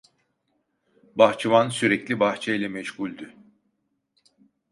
Bahçıvan sürekli bahçeyle meşguldü.